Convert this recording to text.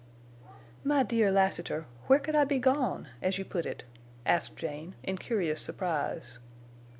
"My dear Lassiter, where could I be gone—as you put it?" asked Jane, in curious surprise.